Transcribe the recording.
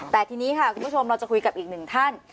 แต่ทีนี้ค่ะคุณผู้ชมเราจะคุยกับอีกหนึ่งท่าน